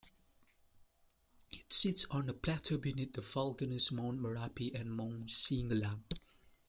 It sits on a plateau beneath the volcanoes Mount Marapi and Mount Singgalang.